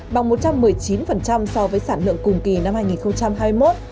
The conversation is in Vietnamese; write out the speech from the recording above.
bằng một trăm một mươi chín so với sản lượng cùng kỳ năm hai nghìn hai mươi một